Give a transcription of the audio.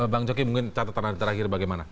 bang joki mungkin catatan terakhir bagaimana